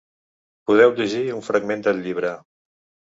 Podeu llegir un fragment del llibre.